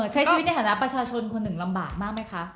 ใช้ชีวิตในฐานะประชาชนคนหนึ่งลำบากมากไหมคะ